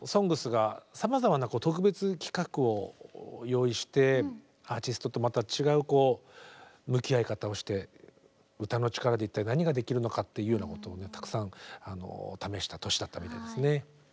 「ＳＯＮＧＳ」がさまざまな特別企画を用意してアーティストとまた違う向き合い方をして歌の力で一体何ができるのかっていうようなことをたくさん試した年だったみたいですね。